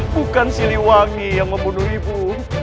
bukan siliwangi yang membunuh ibu